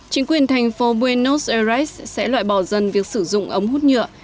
chính quyền thành phố buenos ares sẽ loại bỏ dần việc sử dụng ống hút nhựa